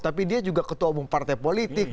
tapi dia juga ketua umum partai politik